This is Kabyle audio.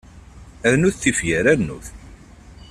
Rnut tifyar, rnut!